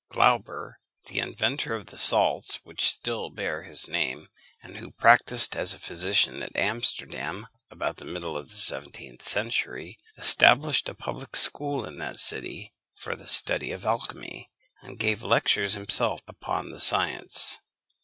Glauber, the inventor of the salts which still bear his name, and who practised as a physician at Amsterdam about the middle of the seventeenth century, established a public school in that city for the study of alchymy, and gave lectures himself upon the science.